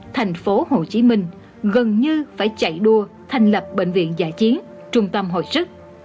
thành phố hồ chí minh gần như phải chạy đua thành lập bệnh viện giả chiến trung tâm hội sức